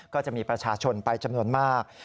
ก็จะมีประชาชนไปจำนวนมาก